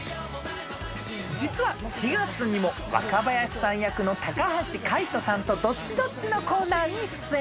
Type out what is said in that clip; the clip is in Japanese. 実は４月にも若林さん役の橋海人さんとＤｏｔｔｉ−Ｄｏｔｔｉのコーナーに出演。